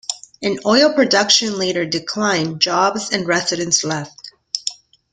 As oil production later declined, jobs and residents left.